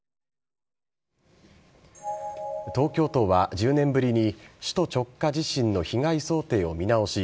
東京都は１０年ぶりに首都直下地震の被害想定を見直し